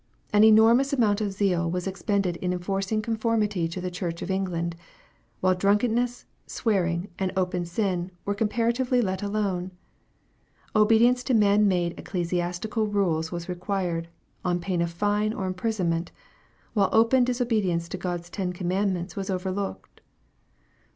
An enormous amount of zeal was expended in enforcing conformity to the Church of England, while drunkenness, swearing, and open sin were comparatively let alone. Obedience to man made ecclesiastical rules was required, on pain of fine or imprisonment, while open disobedience to God's ten com mandments was overlooked.